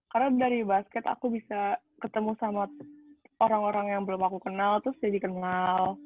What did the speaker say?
karena dari basket aku bisa ketemu sama orang orang yang belum aku kenal terus jadi kenal